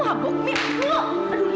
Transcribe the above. ah kampret dimatikan